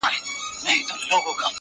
چي ولاړ سې تر بلخه، در سره ده خپله برخه.